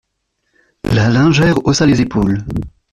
La lingère haussa les épaules.